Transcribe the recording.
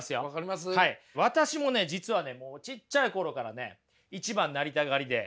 私もね実はねちっちゃい頃からね一番なりたがりで。